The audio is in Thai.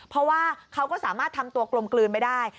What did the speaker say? เพราะว่าเขาก็สามารถทำตัวกลมกลืนไปได้